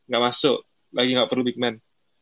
gak masuk lagi nggak perlu big man